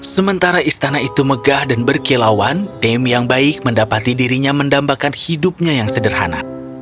sementara istana itu megah dan berkilauan dem yang baik mendapati dirinya mendambakan hidupnya yang sederhana